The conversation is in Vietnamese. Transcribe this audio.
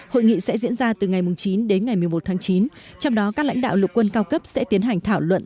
hội nghị sẽ diễn ra từ ngày chín đến ngày một mươi một tháng chín trong đó các lãnh đạo lục quân cao cấp sẽ tiến hành thảo luận